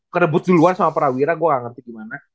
kerebut duluan sama prawira gue gak ngerti gimana